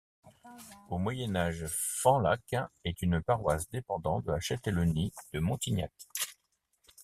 Au Moyen Âge, Fanlac est une paroisse dépendant de la châtellenie de Montignac.